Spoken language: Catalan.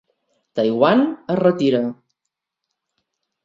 Taiwan es retira.